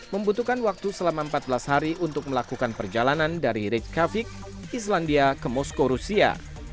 membutuhkan waktu selama empat belas hari untuk melakukan perjalanan dari rick cavik islandia ke moskow rusia